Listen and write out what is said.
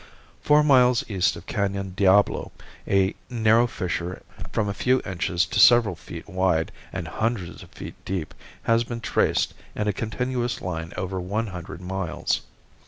Four miles east of Canon Diablo a narrow fissure from a few inches to several feet wide and hundreds of feet deep has been traced in a continuous line over one hundred miles.